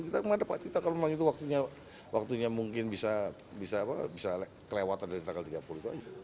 kita gak dapat kita kalau waktu itu mungkin bisa kelewatan dari tanggal tiga puluh itu aja